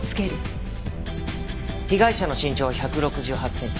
被害者の身長は１６８センチ。